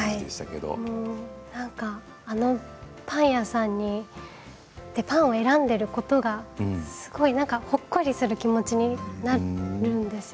福地あのパン屋さんでパンを選んでいることがすごいほっこりする気持ちになるんです。